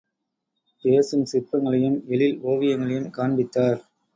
பேசும் சிற்பங்களையும், எழில் ஓவியங்களையும் காண்பித்தார்.